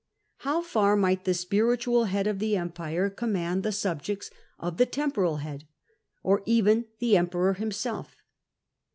How far might the spiri tual head of the empire command the subjects of the temporal head, or even the emperor himself?